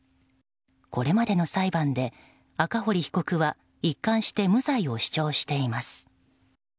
これまでの裁判で赤堀被告は一貫して無罪を主張しています。